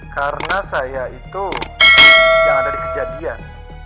karena saya itu yang ada di kejadian